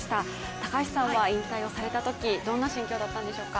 高橋さんは引退をされたときどんな心境だったんでしょうか。